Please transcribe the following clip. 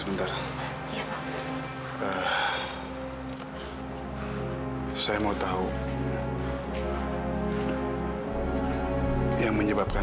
sebelum ketahuan sama ibu